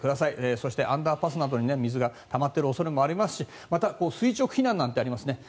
そして、アンダーパスなどに水がたまっている恐れもありますしまた、垂直避難なんてありますね。